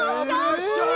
よっしゃー！